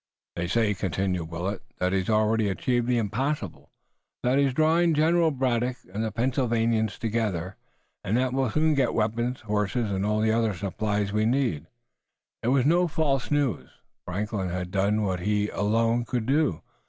"They say," continued Willet, "that he's already achieved the impossible, that he's drawing General Braddock and the Pennsylvanians together, and that we'll soon get weapons, horses and all the other supplies we need." It was no false news. Franklin had done what he alone could do.